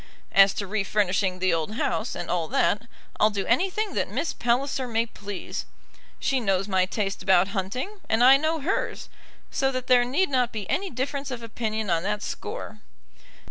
As to refurnishing the old house, and all that, I'll do anything that Miss Palliser may please. She knows my taste about hunting, and I know hers, so that there need not be any difference of opinion on that score.